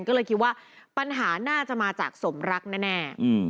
ก็เลยคิดว่าปัญหาน่าจะมาจากสมรักแน่